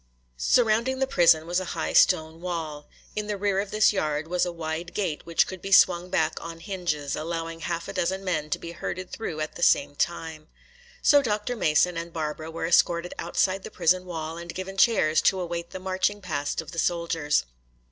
Surrounding the prison was a high stone wall. In the rear of this yard was a wide gate which could be swung back on hinges, allowing a half dozen men to be herded through at the same time. So Dr. Mason and Barbara were escorted outside the prison wall and given chairs to await the marching past of the soldiers.